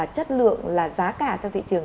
chất lượng giá cả trong thị trường